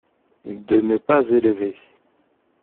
De ne pas élever...